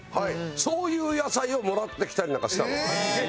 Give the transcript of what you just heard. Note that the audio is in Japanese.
そういう野菜をもらってきたりなんかしたの。